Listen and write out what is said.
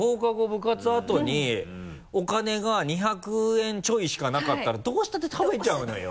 部活あとにお金が２００円ちょいしかなかったらどうしたって食べちゃうのよ。